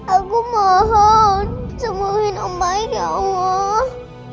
aku mohon sembuhin baik ya allah